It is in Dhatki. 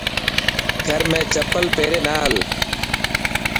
گھر ۾ چپل پيري نا هل.